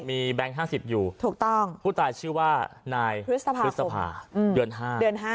มีแบงค์๕๐อยู่ถูกต้องผู้ตายชื่อว่านายพฤษภาเดือน๕เดือน๕